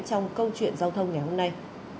trong câu chuyện giao thông ngày hôm nay